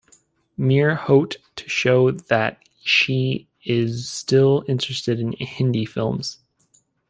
Mere Hote to show that she is still interested in Hindi films.